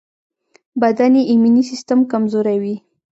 بدن یې ایمني سيستم کمزوری وي.